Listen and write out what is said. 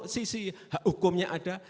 sisi hak hukumnya ada